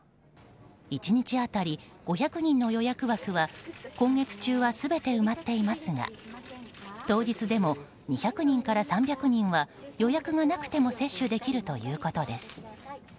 １日当たり５００人の予約枠は今月中は全て埋まっていますが当日でも２００人から３００人は予約がなくても接種できるということです。